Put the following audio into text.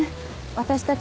私たち